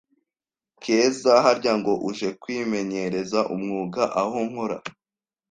Keza: Harya ngo uje kwimenyereza umwuga aho nkora